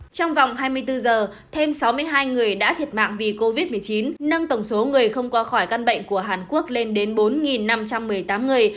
trong vòng hai mươi bốn giờ thêm sáu mươi hai người đã thiệt mạng vì covid một mươi chín nâng tổng số người không qua khỏi căn bệnh của hàn quốc lên đến bốn năm trăm một mươi tám người